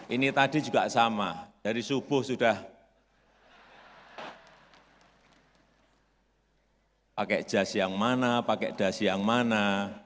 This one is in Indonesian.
ini tadi juga sama dari subuh sudah pakai jas yang mana pakai dasi yang mana